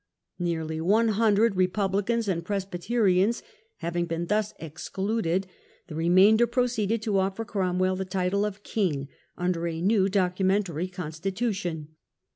Nearly 100 Re *^5^ publicans and Presbyterians having been thus excluded, the remainder proceeded to offer Cromwell the title of king under a new documentary constitution.